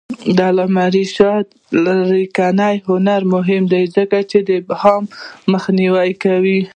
د علامه رشاد لیکنی هنر مهم دی ځکه چې ابهام مخنیوی کوي.